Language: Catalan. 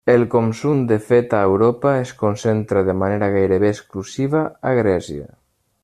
El consum de feta a Europa es concentra de manera gairebé exclusiva a Grècia.